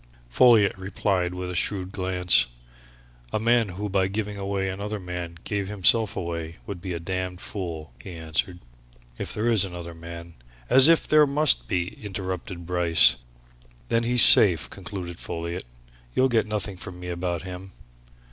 Folliot replied with a shrewd glance. "A man who by giving away another man gave himself away would be a damned fool!" he answered. "If there is another man " "As if there must be!" interrupted Bryce. "Then he's safe!" concluded Folliot. "You'll get nothing from me about him!"